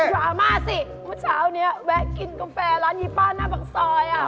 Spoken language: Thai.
ดราม่าสิวันเช้าเนี่ยแวะกินกาแฟร้านยี่ป้าหน้าบังซอย